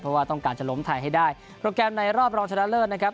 เพราะว่าต้องการจะล้มไทยให้ได้โปรแกรมในรอบรองชนะเลิศนะครับ